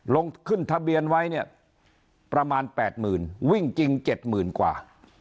ลงขึ้นทะเบียนไว้เนี่ยประมาณ๘๐๐๐วิ่งจริง๗๐๐กว่า